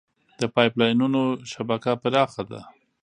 د پایپ لاینونو شبکه پراخه ده.